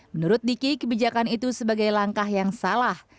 menurut diki kebijakan itu sebagai langkah yang salah